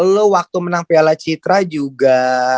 lo waktu menang piala citra juga